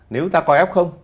nếu ta có f